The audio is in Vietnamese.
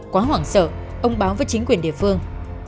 quá hoảng sợ ông báo với chính quyền địa phương